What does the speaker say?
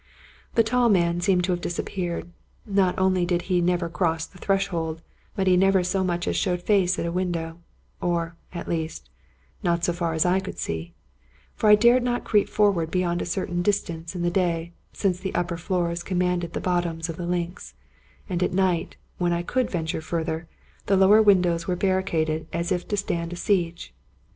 The tall man seemed to have disappeared. Not only did he never cross the threshold, but he never so much as showed face at a window; or, at least, not so far as I could see ; for I dared not creep forward beyond a certain distance in the day, since the upper floors commanded the bottoms of the links; and at night, when I could venture further, the lower windows were barricaded as if to stand a siege.